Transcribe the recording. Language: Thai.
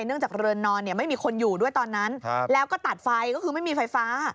เนื่องจากเรือนนอนเนี่ยไม่มีคนอยู่ด้วยตอนนั้นแล้วก็ตัดไฟก็คือไม่มีไฟฟ้า